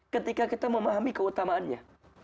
ketika kita memahami keutamaannya